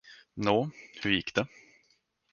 Nå, hur gick det?